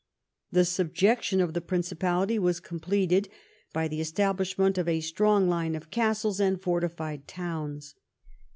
The subjection of the Principality was completed by the establishment of a strong line of castles and fortified towns.